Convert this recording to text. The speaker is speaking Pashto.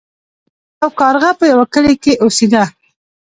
یو کارغه په یوه کلي کې اوسیده.